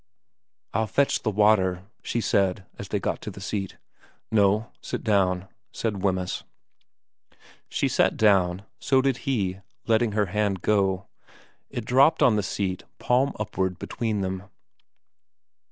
' I'll fetch the water,' she said when they got to the seat. ' No. Sit down,' said Wemyss. She sat down. So did he, letting her hand go. It dropped on the seat, palm upwards, between them.